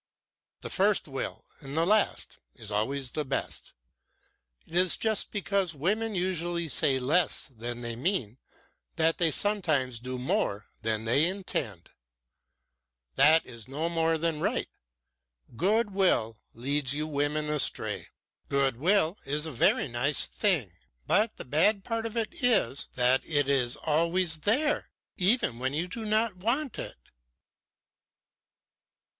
"The first will and the last is always the best. It is just because women usually say less than they mean that they sometimes do more than they intend. That is no more than right; good will leads you women astray. Good will is a very nice thing, but the bad part of it is that it is always there, even when you do not want it."